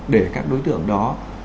để các đối tượng đó